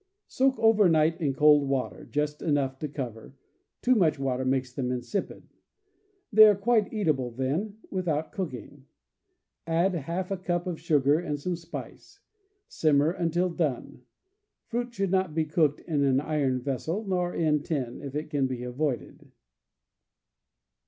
— Soak over night in cold water, just enough to cover — too much water makes them insipid. They are quite eatable then, without cooking. Add half a cup of sugar and some spice; simmer until done. Fruit should not be cooked in an iron vessel, nor in tin, if it can be avoided.